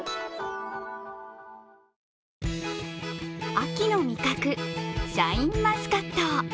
秋の味覚、シャインマスカット。